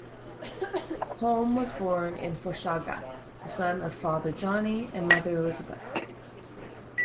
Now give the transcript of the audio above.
Holm was born in Forshaga, the son of father Johnny and mother Elisabeth.